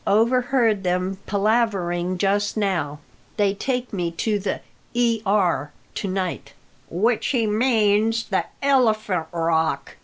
Overheard them palavering just now. They take me to the E. R. to night '" "Which he means the Elephant Rock!"